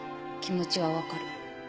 気持ちは分かる。